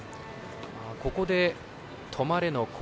ここで止まれの声。